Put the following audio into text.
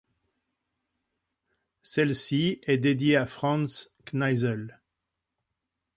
Celle-ci est dédiée à Franz Kneisel.